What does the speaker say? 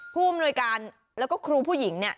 ผู้อำนวยการแล้วก็ครูผู้หญิงเนี่ย